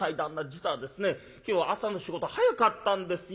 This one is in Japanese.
実はですね今日は朝の仕事早かったんですよ。